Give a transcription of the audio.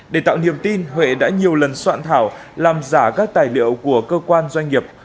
để tạo niềm tin huệ đã nhiều lần soạn thảo làm giả các tài liệu của cơ quan doanh nghiệp